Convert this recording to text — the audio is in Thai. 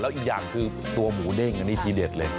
อีกอย่างคือตัวหมูเด้งอันนี้ทีเด็ดเลย